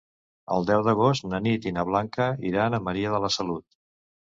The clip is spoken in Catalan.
El deu d'agost na Nit i na Blanca iran a Maria de la Salut.